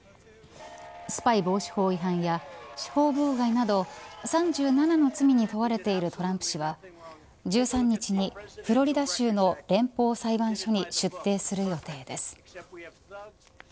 スパイ防止法違反や司法妨害など３７の罪に問われているトランプ氏は１３日にフロリダ州の連邦裁判所に出廷する予定です。